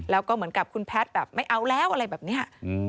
แล้วก็เหมือนกับคุณแพทย์แบบไม่เอาแล้วอะไรแบบนี้